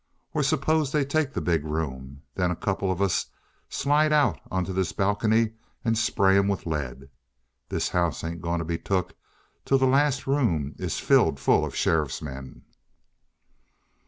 Or suppose they take the big room? Then a couple of us slide out on this balcony and spray 'em with lead. This house ain't going to be took till the last room is filled full of the sheriff's men!"